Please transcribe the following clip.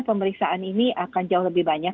pemeriksaan ini akan jauh lebih banyak